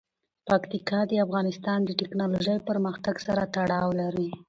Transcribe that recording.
پکتیکا د افغانستان د تکنالوژۍ پرمختګ سره تړاو لري.